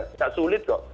tidak sulit kok